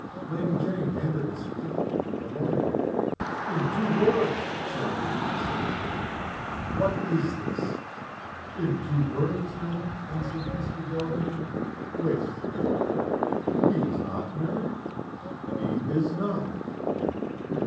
Lady Jane handed the certificate to the lawyer. "In two words, Sir," she said, impatiently, "what is this?" "In two words, madam," answered Mr. Delamayn; "waste paper." "He is not married?" "He is not married."